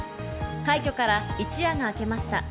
快挙から一夜が明けました。